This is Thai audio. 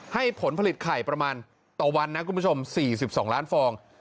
ให้ผลผลิตไข่ประมาณต่อวันนะคุณผู้ชม๔๒ล้านฟอง